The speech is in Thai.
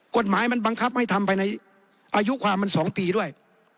กฎหมายมันบังคับให้ทำไปในอายุความมัน๒ปีด้วย